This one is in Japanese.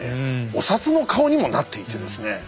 お札の顔にもなっていてですね